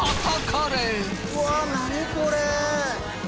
うわ何これ！？